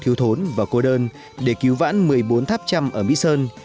nhiều thiếu thốn và cô đơn để cứu vãn một mươi bốn tháp trăm ở mỹ sơn